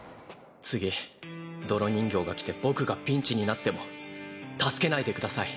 次泥人形が来て僕がピンチになっても助けないでください。